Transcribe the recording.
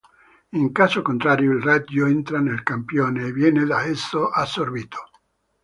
In caso contrario il raggio entra nel campione e viene da esso assorbito.